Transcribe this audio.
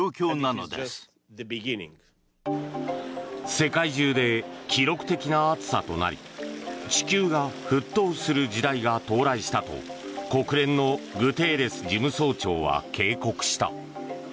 世界中で記録的な暑さとなり地球が沸騰する時代が到来したと国連のグテーレス事務総長は警告した。